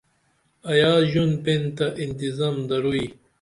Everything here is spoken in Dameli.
ایا ژون پین تہ اِنتظم دروئی؟